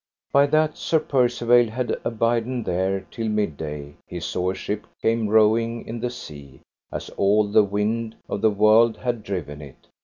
By that Sir Percivale had abiden there till mid day he saw a ship came rowing in the sea, as all the wind of the world had driven it.